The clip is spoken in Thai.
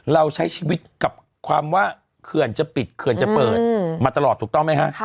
เราใช้ชีวิตกับความว่าเขื่อนจะปิดเขื่อนจะเปิดมาตลอดถูกต้องไหมฮะ